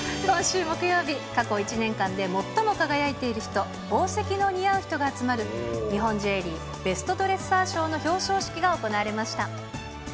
今週木曜日、過去１年間で最も輝いている人、宝石の似合う人が集まる、日本ジュエリーベストドレッサー賞の表彰式が行われました。